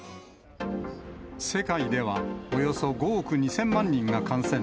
世界では、およそ５億２０００万人が感染。